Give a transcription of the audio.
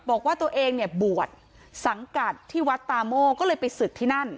บอกว่าตัวเองเนี่ยบวชสังกัดที่วัดตาโม่ก็เลยไปศึกที่นั่น